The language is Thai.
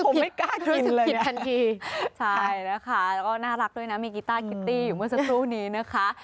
ผมไม่กล้ารู้สึกผิดทันทีใช่นะคะแล้วก็น่ารักด้วยนะมีกีต้าคิตตี้อยู่เมื่อสักครู่นี้นะคะ